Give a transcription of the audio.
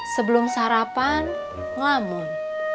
sebelum sarapan ngelamun